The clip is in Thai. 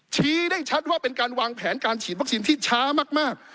ชี้ได้ชัดว่าเป็นการวางแผนการฉีดวัคซีนที่ช้ามาก